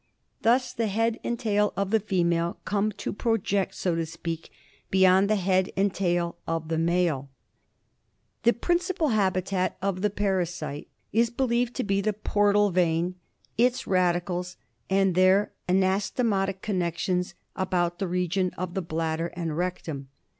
Thus the head and tail of the female come to project, so to speak, beyond the head and tail of the male. 52 BILHARZIOSIS. The principal habitat of the parasite is beUeved to be the portal vein, its radicles and their anasto motic connections about the region of the bladder and rectum.